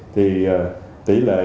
thì tỉ lệ